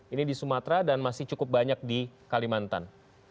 ini di sumatera dan masih cukup banyak di kalimantan